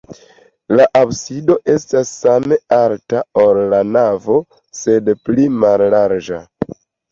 La absido estas same alta, ol la navo, sed pli mallarĝa.